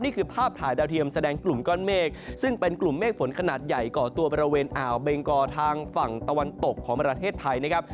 นี่คือภาพถ่ายดาวเทียมแสดงกลุ่มก้อนเมฆซึ่งเป็นกลุ่มเมฆฝนขนาดใหญ่ก่อตัวบริเวณอ่าวเบงกอทางฝั่งตะวันตกของประเทศไทยนะครับ